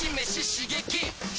刺激！